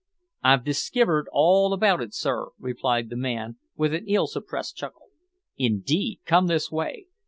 "I've diskivered all about it sir," replied the man, with an ill suppressed chuckle. "Indeed! come this way.